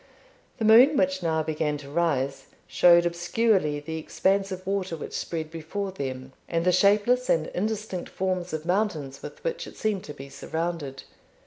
The moon, which now began to rise, showed obscurely the expanse of water which spread before them, and the shapeless and indistinct forms of mountains with which it seemed to be surrounded.